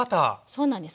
そうなんです。